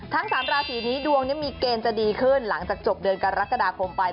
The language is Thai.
ทั้ง๓ราศรีนี้ดวงมีเกณฑ์จะดีขึ้นหลังจากจบเดินการรักษ์กระดาภงไป